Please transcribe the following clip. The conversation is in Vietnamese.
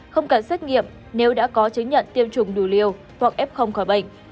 không cần xét nghiệm nếu đã có chứng nhận tiêm chủng đủ liều hoặc f khỏi bệnh